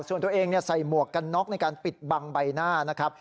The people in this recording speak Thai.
ส่วนตัวเองใส่หมวกกันน็อกในการปิดบังใบหน้านะครับ